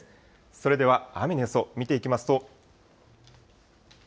それでは雨の予想、見ていきますと。